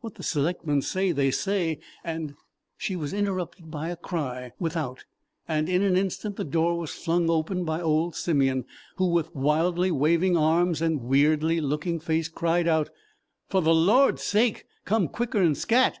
What the S'lectmen say they say, and " She was interrupted by a cry without, and in an instant the door was flung open by old Simeon, who with wildly waving arms and weirdly working face cried out: "F' th' Lord's sake! Come quicker 'n scat!